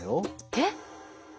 えっ？